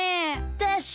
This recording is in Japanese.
でしょ？